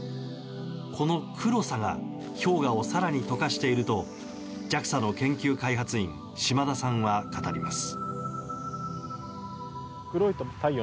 この黒さが氷河を更に解かしているとＪＡＸＡの研究開発員島田さんは語ります。